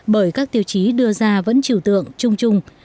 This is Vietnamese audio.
bởi các tiêu chí đưa ra vẫn trừu tượng trung trung